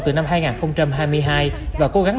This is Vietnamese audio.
từ năm hai nghìn hai mươi hai và cố gắng